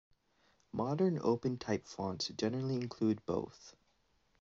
Modern OpenType fonts generally include both.